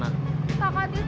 kakak amin itu baik